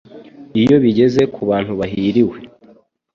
iyo bigeze kubantu bahiriwe